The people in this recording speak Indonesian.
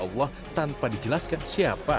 allah tanpa dijelaskan siapa